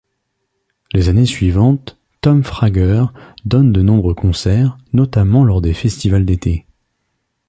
Les années suivantes, Tom Frager donne de nombreux concerts, notamment lors des festivals d'été.